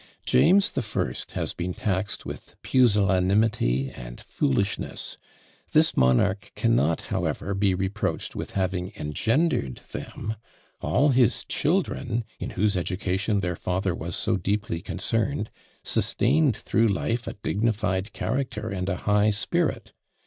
James the First has been taxed with pusillanimity and foolishness; this monarch cannot, however, be reproached with having engendered them! All his children, in whose education their father was so deeply concerned, sustained through life a dignified character and a high spirit.